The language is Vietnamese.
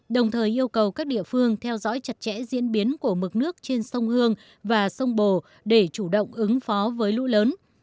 đồng thời yêu cầu các địa phương theo dõi chặt chẽ diễn biến của mực nước trên sông hương và sông bồ để chủ động ứng phó với lũ lớn